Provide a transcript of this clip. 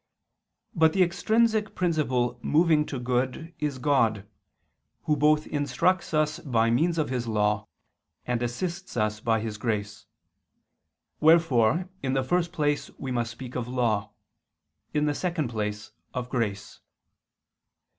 But the extrinsic principle moving to good is God, Who both instructs us by means of His Law, and assists us by His Grace: wherefore in the first place we must speak of law; in the second place, of grace.